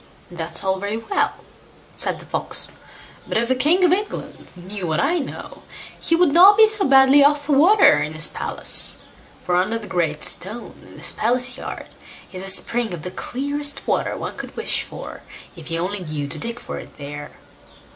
"That's all very well", said the Fox; "but if the king of England knew what I know, he would not be so badly off for water in his palace; for under the great stone, in his palace yard, is a spring of the clearest water one could wish for, if he only knew to dig for it there."